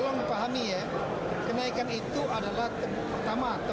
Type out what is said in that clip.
mengikuti daya beli masyarakat yang juga meningkat